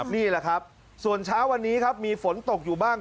นี่แหละครับส่วนเช้าวันนี้ครับมีฝนตกอยู่บ้าง